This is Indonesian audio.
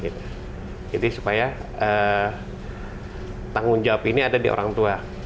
jadi supaya tanggung jawab ini ada di orang tua